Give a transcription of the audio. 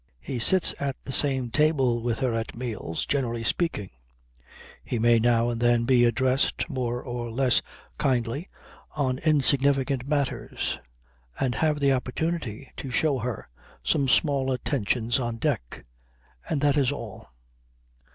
He sits at the same table with her at meals, generally speaking; he may now and then be addressed more or less kindly on insignificant matters, and have the opportunity to show her some small attentions on deck. And that is all.